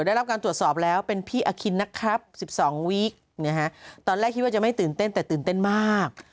ได้รับการตรวจสอบแล้วเป็นพี่อคินนะครับ๑๒วีคนะฮะตอนแรกคิดว่าจะไม่ตื่นเต้นแต่ตื่นเต้นมาก